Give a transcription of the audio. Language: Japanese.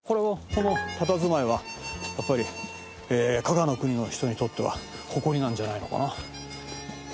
このたたずまいはやっぱり加賀の國の人にとっては誇りなんじゃないのかな。